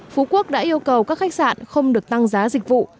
phú quốc đã yêu cầu các khách sạn không được tăng giá dịch vụ